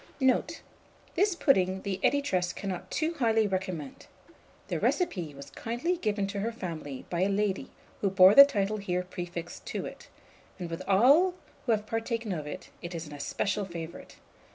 Note. This pudding the editress cannot too highly recommend. The recipe was kindly given to her family by a lady who bore the title here prefixed to it; and with all who have partaken of it, it is an especial favourite.